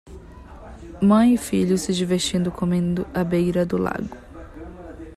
Mãe e filho se divertindo comendo à beira do lago.